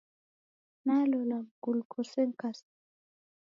Nalola mngulu kose nikasow'a.